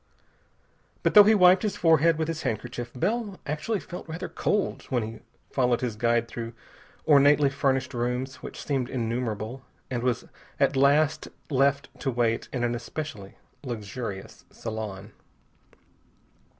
But though he wiped his forehead with his handkerchief, Bell actually felt rather cold when he followed his guide through ornately furnished rooms, which seemed innumerable, and was at last left to wait in an especially luxurious salon.